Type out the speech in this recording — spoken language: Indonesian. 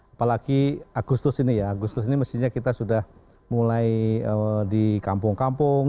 apalagi agustus ini ya agustus ini mestinya kita sudah mulai di kampung kampung